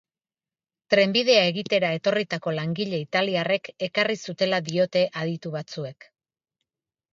Trenbidea egitera etorritako langile italiarrek ekarri zutela diote aditu batzuek.